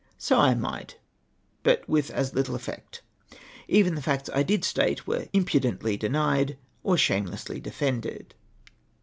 So I might, but with as little effect. Even the facts I did state were impudently denied or shame lessly defended.